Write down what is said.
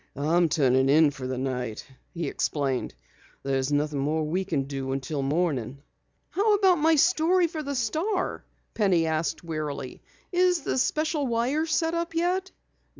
"I'm turning in for the night," he explained. "There's nothing more we can do until morning." "How about my story to the Star?" Penny asked wearily. "Is the special wire set up yet?"